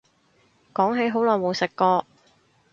講起好耐冇食過